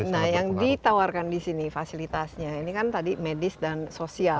nah yang ditawarkan di sini fasilitasnya ini kan tadi medis dan sosial